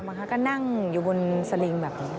บางครั้งก็นั่งอยู่บนสลิงแบบนี้